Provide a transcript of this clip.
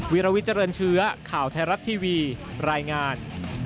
วิรวิทเจริญเชื้อข่าวไทยรัฐทีวีรายงาน